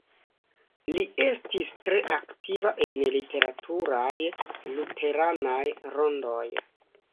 Li estis tre aktiva en literaturaj luteranaj rondoj.